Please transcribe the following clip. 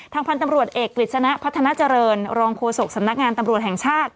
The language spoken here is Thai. พันธุ์ตำรวจเอกกฤษณะพัฒนาเจริญรองโฆษกสำนักงานตำรวจแห่งชาติ